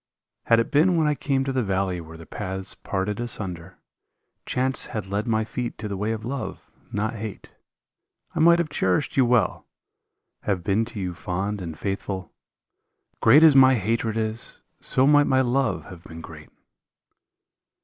Had it been when I came to the valley where the paths parted asunder, Chance had led my feet to the way of love, not hate, I might have cherished you well, have been to you fond and faithful. Great as my hatred is, so might my love have been great.